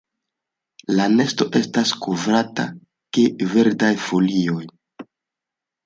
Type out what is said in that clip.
La nesto estas kovrata de verdaj folioj.